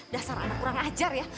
dasar anak kurang ajar ya